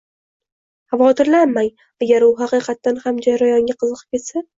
Xavotirlanmang, agar u haqiqatdan ham jarayonga qiziqib ketsa